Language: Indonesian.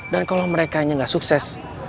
dan kalau mereka gak sukses